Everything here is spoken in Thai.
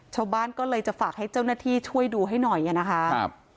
ชาวบ้านก็เลยจะฝากให้เจ้าหน้าที่ช่วยดูให้หน่อยอ่ะนะคะครับ